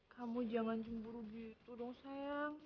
kamu jangan cemburu gitu dong sayang